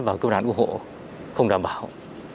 và cứu nạn cứu hộ không đảm bảo